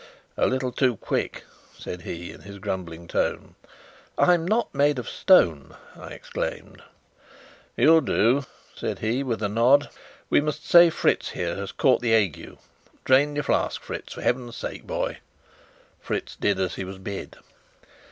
"A little too quick," said he, in his grumbling tone. "I'm not made of stone!" I exclaimed. "You'll do," said he, with a nod. "We must say Fritz here has caught the ague. Drain your flask, Fritz, for heaven's sake, boy!" Fritz did as he was bid.